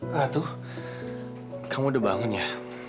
ratu kamu udah bangun ya